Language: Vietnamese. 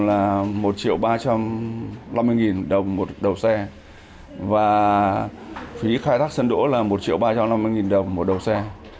là một triệu ba trăm năm mươi đồng một đầu xe và phí khai thác sân đỗ là một triệu ba trăm năm mươi đồng một đầu xe